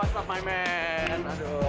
aduh apa kabar teman teman